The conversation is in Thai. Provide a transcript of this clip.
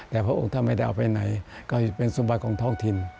แต่พระองค์ถ้าไม่ได้เอาไปไหนก็จะเป็นสมบัติของท้องถิ่น